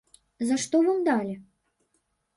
За што вам далі?